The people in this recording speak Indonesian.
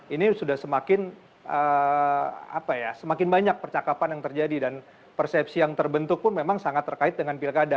ini sudah semakin banyak percakapan yang terjadi dan persepsi yang terbentuk pun memang sangat terkait dengan pilkada